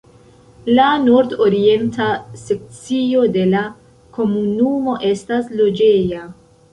La nordorienta sekcio de la komunumo estas loĝeja.